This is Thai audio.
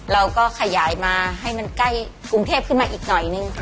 เราก็ขยายมาให้มันใกล้กรุงเทพขึ้นมาอีกหน่อยนึง